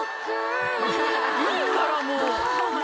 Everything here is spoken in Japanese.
いいからもう！